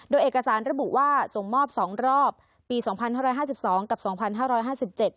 โดยเอกสารระบุว่าส่งมอบสองรอบปีสองพันห้าร้อยห้าสิบสองกับสองพันห้าร้อยห้าสิบเจ็ด